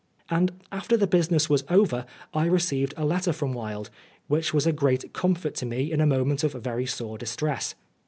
And after the business was over, I received a letter from Wilde, which was a great comfort to me in a moment of very sore distress.